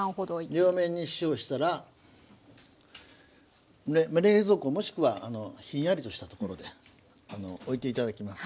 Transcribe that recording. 両面に塩したら冷蔵庫もしくはひんやりとした所でおいていただきます。